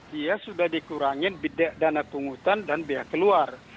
dia sudah dikurangin bidang dana penghutan dan biaya keluar